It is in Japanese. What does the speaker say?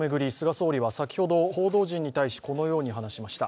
総理は先ほど報道陣に対し、このように話しました。